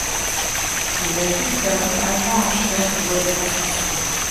Il agit comme agent-acheteur de bois de construction.